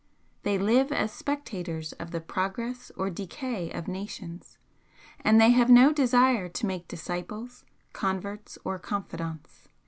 They live as spectators of the progress or decay of nations, and they have no desire to make disciples, converts or confidants.